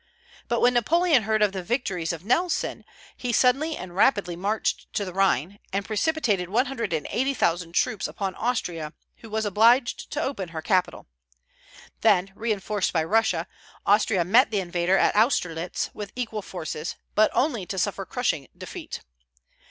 But when Napoleon heard of the victories of Nelson, he suddenly and rapidly marched to the Rhine, and precipitated one hundred and eighty thousand troops upon Austria, who was obliged to open her capital. Then, reinforced by Russia, Austria met the invader at Austerlitz with equal forces; but only to suffer crushing defeat.